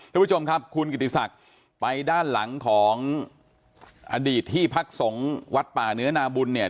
ทุกผู้ชมครับคุณกิติศักดิ์ไปด้านหลังของอดีตที่พักสงฆ์วัดป่าเนื้อนาบุญเนี่ย